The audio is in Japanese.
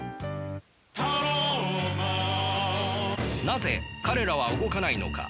なぜ彼らは動かないのか。